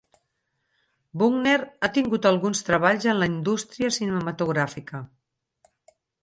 Bugner ha tingut alguns treballs en la indústria cinematogràfica.